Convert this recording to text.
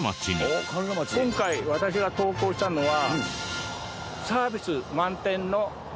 今回私が投稿したのは。